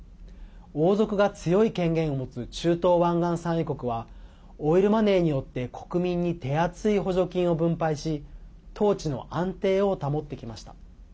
王族が強い権限を持つ中東湾岸産油国はオイルマネーによって国民に手厚い補助金を分配し統治の安定を保ってきました。